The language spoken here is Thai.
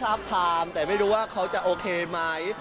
ทราบความแต่ไม่รู้ว่าเขาจะโอเคไหม